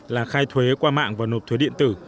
là khai thuế qua mạng và nộp thuế điện tử